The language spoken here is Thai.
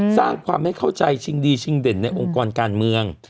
สร้างความไม่เข้าใจชิงดีชิงเด่นในองค์กรการเมือง